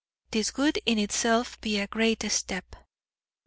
This would in itself be a great step.